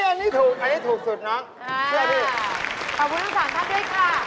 อันนี้ถูกอันนี้ถูกสุดน้องเชื่อดิขอบคุณทั้งสามท่านด้วยค่ะ